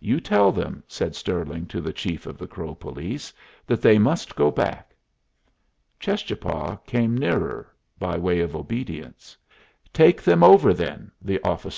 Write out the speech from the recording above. "You tell them," said Stirling to the chief of the Crow police, "that they must go back." Cheschapah came nearer, by way of obedience. "Take them over, then," the officer ordered.